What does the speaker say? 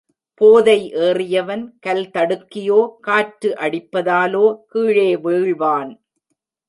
போதை ஏறியவன் கல் தடுக்கியோ, காற்று அடிப்பதாலோ கீழே வீழ்வான்.